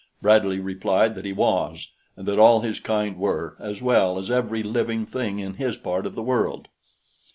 Bradley replied that he was and that all his kind were, as well as every living thing in his part of the world.